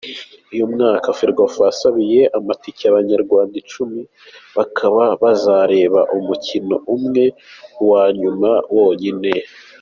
Uyu mwaka, Ferwafa yasabiye amatike abanyarwanda icumi bakaba bazareba umukino umwe, uwa nyuma wonyine.